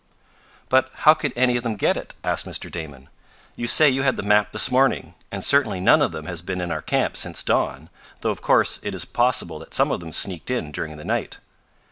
"But how could any of them get it?" asked Mr. Damon. "You say you had the map this morning, and certainly none of them has been in our camp since dawn, though of course it is possible that some of them sneaked in during the night."